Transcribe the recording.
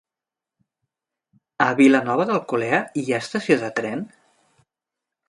A Vilanova d'Alcolea hi ha estació de tren?